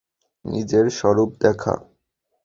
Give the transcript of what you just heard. নিজের স্বরূপ দেখা!